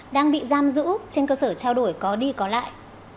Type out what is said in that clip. đang bị giam giữ trên cơ sở trao đổi có đi có lại